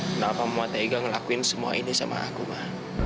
kenapa mama tegang ngelakuin semua ini sama aku ma